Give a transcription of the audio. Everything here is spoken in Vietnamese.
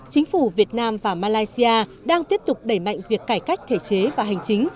chính phủ việt nam và malaysia đang tiếp tục đẩy mạnh việc cải cách thể chế và hành chính